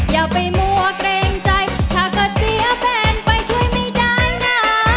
อย่าไปมั่วเกรงใจถ้าเกิดเสียแฟนไปช่วยไม่ได้นะ